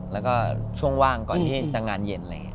แล้วก็ช่วงว่างก่อนที่จะงานเย็น